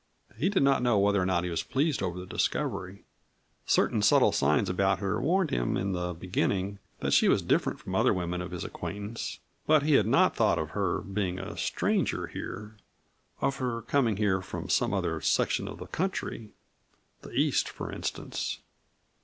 He did not know whether or not he was pleased over the discovery. Certain subtle signs about her had warned him in the beginning that she was different from the other women of his acquaintance, but he had not thought of her being a stranger here, of her coming here from some other section of the country the East, for instance.